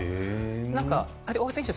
なんか大橋選手